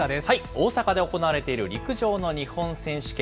大阪で行われている陸上の日本選手権。